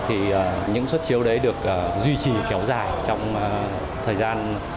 thì những xuất chiếu đấy được duy trì kéo dài trong thời gian